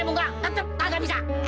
siang malam hatiku jadi gelisah